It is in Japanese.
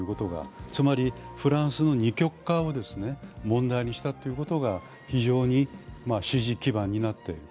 つまりフランスの二極化を問題にしたということが非常に支持基盤になっている。